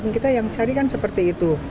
kita yang carikan seperti itu